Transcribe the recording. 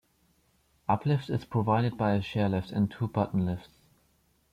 Uplift is provided by a chairlift and two button lifts.